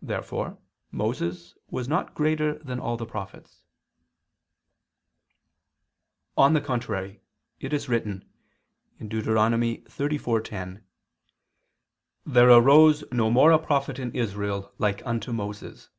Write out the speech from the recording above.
Therefore Moses was not greater than all the prophets. On the contrary, It is written (Deut. 34:10): "There arose no more a prophet in Israel like unto Moses."